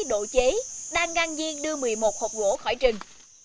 độ chế đang ngang nhiên đưa một mươi một hộp gỗ khỏi rừng